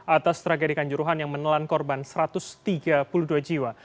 atas tragedi kanjuruhan yang menelan korban satu ratus tiga puluh dua jiwa